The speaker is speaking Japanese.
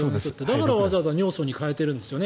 だからわざわざ体の中で尿素に変えてるんですよね。